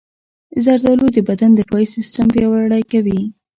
زردالو د بدن دفاعي سیستم پیاوړی کوي.